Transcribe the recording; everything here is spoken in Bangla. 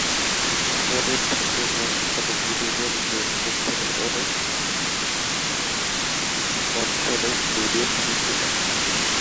মনিব ঠাকুর, মোর খোকার একটা বুপোর নিমফল ছেল, ও বছর গড়িয়ে দিইছিল!